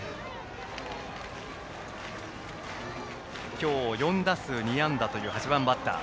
今日、４打数２安打という８番バッター。